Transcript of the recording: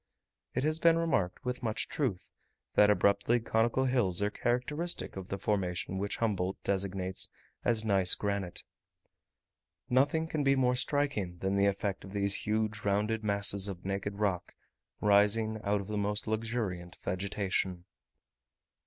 It has been remarked, with much truth, that abruptly conical hills are characteristic of the formation which Humboldt designates as gneiss granite. Nothing can be more striking than the effect of these huge rounded masses of naked rock rising out of the most luxuriant vegetation.